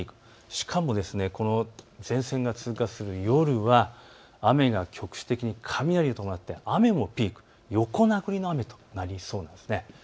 しかも前線が通過する夜は雨が局地的に雷を伴って雨のピーク、横殴りの雨となりそうなんですね。